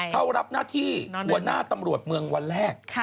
เขารับหน้าที่หัวหน้าตำรวจเมืองวันแรก